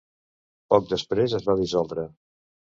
Poc després es va dissoldre.